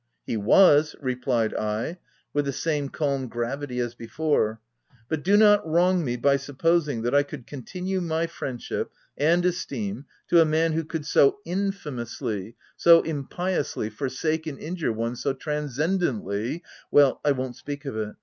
" He was," replied he, with the same calm gravity as before, " but do not wrong me by supposing that I could continue my friendship and esteem to a man who could so infamously — OF WILDFEL.L HALL. 353 so impiously forsake and injure one so trans cendently — well, I won't speak of it.